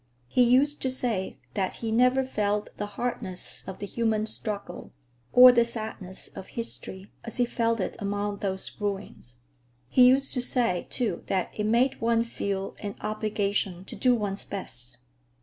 He used to say that he never felt the hardness of the human struggle or the sadness of history as he felt it among those ruins. He used to say, too, that it made one feel an obligation to do one's best.